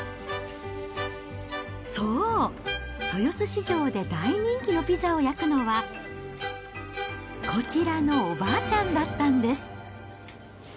そう、豊洲市場で大人気のピザを焼くのは、こちらのおばあちゃんだったんです。